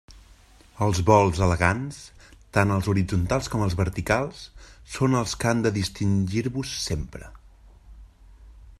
Els vols elegants, tant els horitzontals com els verticals, són els que han de distingir-vos sempre.